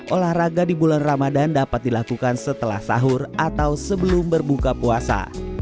olahraga di bulan ramadan dapat dilakukan setelah sahur atau sebelum berbuka puasa